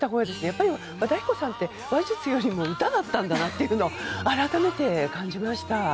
やっぱり、和田アキ子さんって話術よりも歌だったんだなって改めて感じました。